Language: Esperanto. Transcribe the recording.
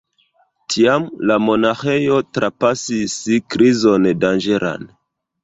Tiam la monaĥejo trapasis krizon danĝeran.